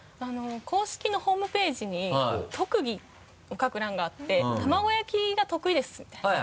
公式のホームページに特技を書く欄があって「卵焼きが得意です」みたいな。